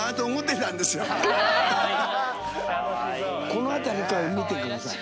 この辺りから見てください。